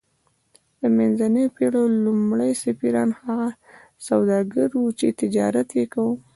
د منځنیو پیړیو لومړي سفیران هغه سوداګر وو چې تجارت یې کاوه